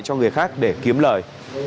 cho người khác để kiếm lời